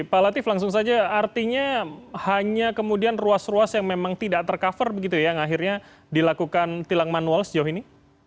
pak latif langsung saja artinya hanya kemudian ruas ruas yang memang tidak tercover begitu ya yang akhirnya dilakukan tilang manual sejauh ini